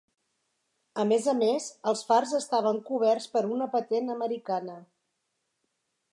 A més a més, els fars estaven coberts per una patent americana.